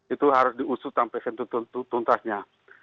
itu harus diusut sampai sentuh tuntasnya